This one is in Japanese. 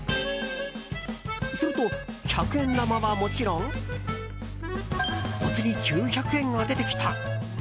すると、百円玉はもちろんおつり９００円が出てきた。